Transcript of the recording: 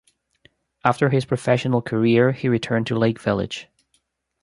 After his professional career he returned to Lake Village.